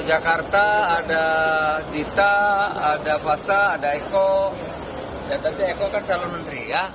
di jakarta ada zita ada fasa ada eko dan tentu eko kan calon menteri ya